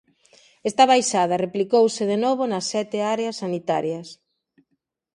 Esta baixada replicouse, de novo, nas sete áreas sanitarias.